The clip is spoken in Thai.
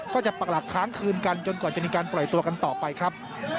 ปักหลักค้างคืนกันจนกว่าจะมีการปล่อยตัวกันต่อไปครับ